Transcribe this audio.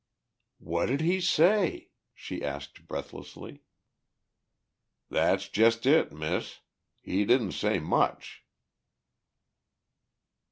"What did he say?" she asked breathlessly. "That's jest it, Miss. He didn't say much!"